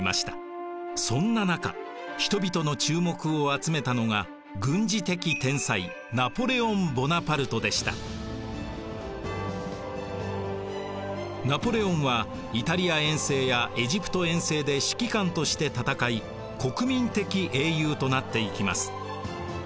そんな中人々の注目を集めたのがナポレオンはイタリア遠征やエジプト遠征で指揮官として戦い国民的英雄となっていきます。